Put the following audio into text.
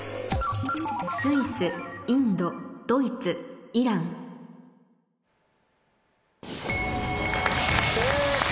「スイスインドドイツイラン」正解！